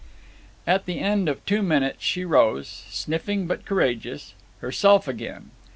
At the end of two minutes she rose, sniffing but courageous, herself again.